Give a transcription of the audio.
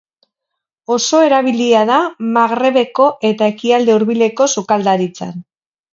Oso erabilia da Magrebeko eta Ekialde Hurbileko sukaldaritzan.